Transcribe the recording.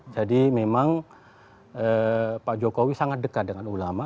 jadi memang pak jokowi sangat dekat dengan ulama